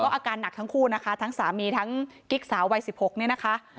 อาการหนักทั้งคู่นะคะทั้งสามีทั้งกิ๊กสาววัย๑๖เนี่ยนะคะ